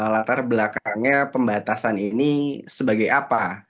latar belakangnya pembatasan ini sebagai apa